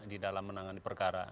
di dalam menangani perkara